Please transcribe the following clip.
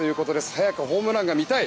早くホームランが見たい。